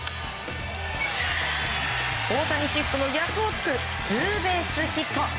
大谷シフトの逆を突くツーベースヒット。